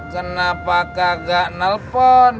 kenapa kagak nelfon